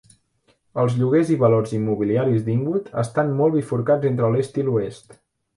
Els lloguers i valors immobiliaris d'Inwood estan molt bifurcats entre l'est i l'oest.